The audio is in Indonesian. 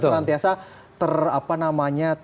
itu kan serantiasa ter apa namanya